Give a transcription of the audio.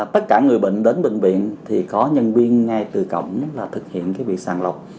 tất cả người bệnh đến bệnh viện thì có nhân viên ngay từ cổng là thực hiện cái việc sàng lọc